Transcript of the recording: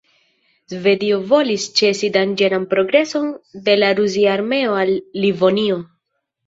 Svedio volis ĉesi danĝeran progreson de la rusia armeo al Livonio.